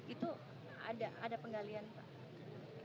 itu ada penggalian pak